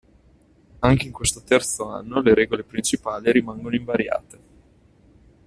Anche in questo terzo anno le regole principali rimangono invariate.